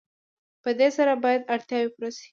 په دې سره باید اړتیاوې پوره شي.